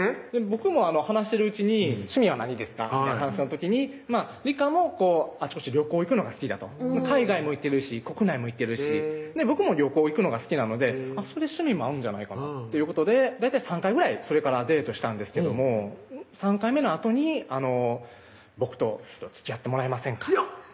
僕も話してるうちに「趣味は何ですか？」みたいな話の時に里香も「あちこち旅行行くのが好きだ」と海外も行ってるし国内も行ってるし僕も旅行行くのが好きなので趣味も合うんじゃないかなということで大体３回ぐらいそれからデートしたんですけども３回目のあとに「僕とつきあってもらえませんか」いやっ！